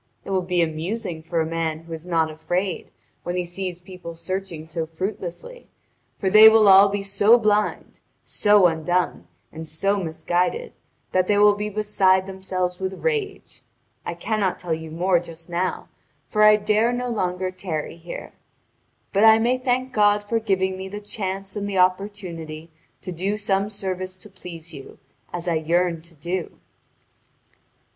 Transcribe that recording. It will be amusing for a man who is not afraid when he sees people searching so fruitlessly, for they will all be so blind, so undone, and so misguided that they will be beside themselves with rage. I cannot tell you more just now, for I dare no longer tarry here. But I may thank God for giving me the chance and the opportunity to do some service to please you, as I yearned to do."